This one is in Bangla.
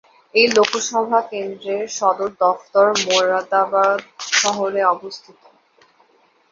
এই লোকসভা কেন্দ্রের সদর দফতর মোরাদাবাদ শহরে অবস্থিত।